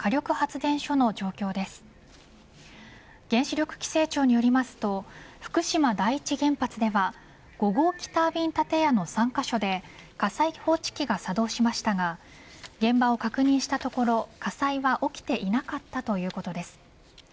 原子力規制庁によりますと福島第一原発では５号機タービン建屋の３カ所で火災報知器が作動しましたが現場を確認したところ火災は起きていなかったということです。